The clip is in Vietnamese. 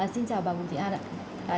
xin chào bà bùi thị an ạ